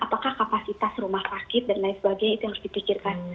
apakah kapasitas rumah sakit dan lain sebagainya itu yang harus dipikirkan